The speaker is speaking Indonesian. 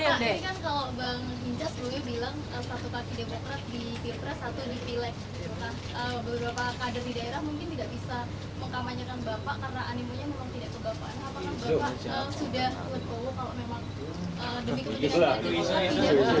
apakah bapak sudah let go kalau memang